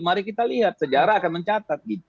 mari kita lihat sejarah akan mencatat